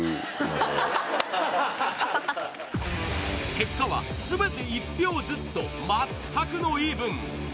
結果は全て１票ずつと全くのイーブン。